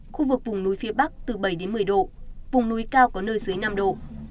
khu vực vùng núi phía bắc từ bảy đến một mươi độ vùng núi cao có nơi dưới năm độ